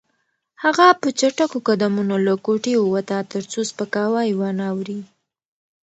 هغه په چټکو قدمونو له کوټې ووته ترڅو سپکاوی ونه اوري.